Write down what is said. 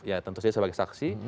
ya tentu saja sebagai saksi